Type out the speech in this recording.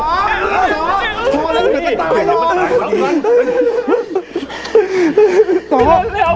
พ่อทำอะไรกันอยู่